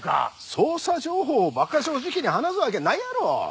捜査情報を馬鹿正直に話すわけないやろ！